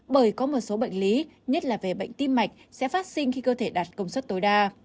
bởi có một số bệnh lý nhất là về bệnh tim mạch sẽ phát sinh khi cơ thể đạt công suất tối đa